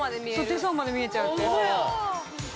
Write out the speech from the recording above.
手相まで見えちゃう。